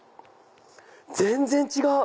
全然違う！